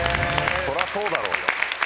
そらそうだろうよ。